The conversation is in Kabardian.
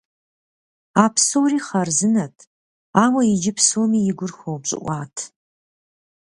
А псори хъарзынэт, ауэ иджы псоми и гур хуэупщӏыӏуащ.